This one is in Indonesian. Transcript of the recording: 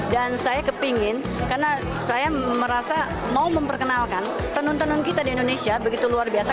dan saya kepingin karena saya merasa mau memperkenalkan tenun tenun kita di indonesia begitu luar biasa